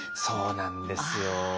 そうなんですよ。